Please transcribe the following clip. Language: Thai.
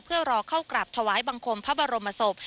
เพื่อรอเข้ากราบถวายบังคมพระบรมศพ